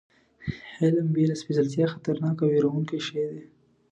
علم بې له سپېڅلتیا خطرناک او وېروونکی شی دی.